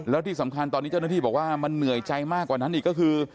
แล้วที่สำคัญตอนนี้เจ้าหน้าที่บอกว่ามันเหนื่อยใจมากกว่านั้นอีกก็คือ